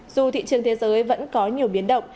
dù thị trường thế giới vẫn có nhiều biến động